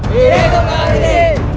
hei hidup beragami